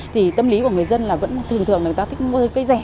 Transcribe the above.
thì tâm lý của người dân là vẫn thường thường là người ta thích mua cây rẻ